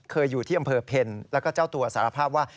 เคยอยู่ที่อำเภอเพลแล้วก็เจ้าตัวสารภาพว่า